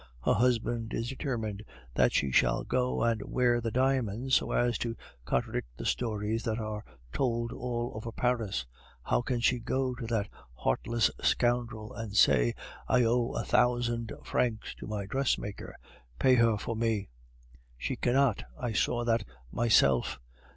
Her husband is determined that she shall go and wear the diamonds, so as to contradict the stories that are told all over Paris. How can she go to that heartless scoundrel and say, 'I owe a thousand francs to my dressmaker; pay her for me!' She cannot. I saw that myself.